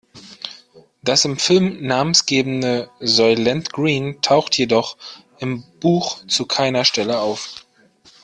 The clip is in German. Das im Film namensgebende Soylent Green taucht jedoch im Buch zu keiner Stelle auf.